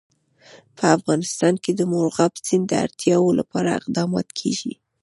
په افغانستان کې د مورغاب سیند د اړتیاوو لپاره اقدامات کېږي.